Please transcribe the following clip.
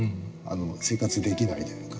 生活できないというか。